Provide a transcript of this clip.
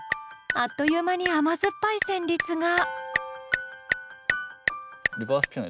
あっという間に甘酸っぱい旋律が。